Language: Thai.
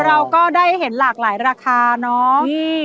เราก็ได้เห็นหลากหลายราคาเนาะ